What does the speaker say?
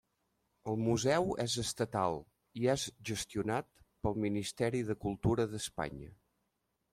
El museu és estatal i és gestionat pel Ministeri de Cultura d'Espanya.